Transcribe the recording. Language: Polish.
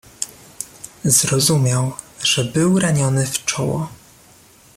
"Zrozumiał, że był raniony w czoło."